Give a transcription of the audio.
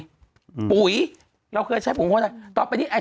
ให้ประเทศสมาชิกเนี่ย